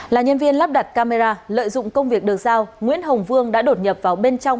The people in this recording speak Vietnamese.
là nhân viên lắp đặt camera lợi dụng công việc được giao nguyễn hồng vương đã đột nhập vào bên trong